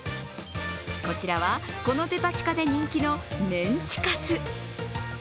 こちらはこのデパ地下で人気のメンチカツ。